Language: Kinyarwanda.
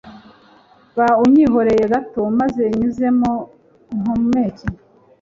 ba unyihoreye gato, maze nyuzemo mpumeke